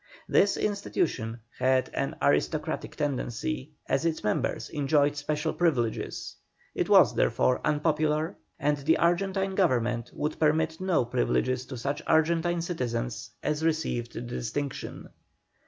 This institution had an aristocratic tendency, as its members enjoyed special privileges; it was, therefore, unpopular, and the Argentine Government would permit no privileges to such Argentine citizens as received the distinction.